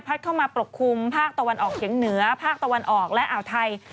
เข้ามาปกคลุมภาคตะวันออกเฉียงเหนือภาคตะวันออกและอ่าวไทย